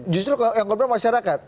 justru yang korban masyarakat